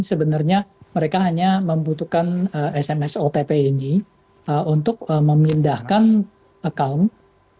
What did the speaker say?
sebenarnya mereka hanya membutuhkan sms otp ini untuk memindahkan account